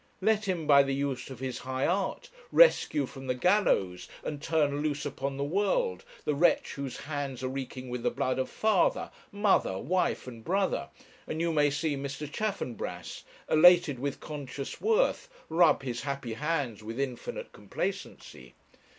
Let him, by the use of his high art, rescue from the gallows and turn loose upon the world the wretch whose hands are reeking with the blood of father, mother, wife, and brother, and you may see Mr. Chaffanbrass, elated with conscious worth, rub his happy hands with infinite complacency.